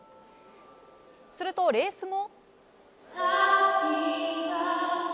するとレース後。